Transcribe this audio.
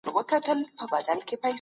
د معاصر سیاست لاري له تاریخ سره تړلې دي.